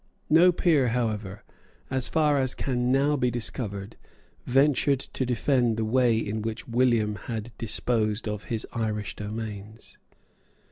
No peer, however, as far as can now be discovered, ventured to defend the way in which William had disposed of his Irish domains.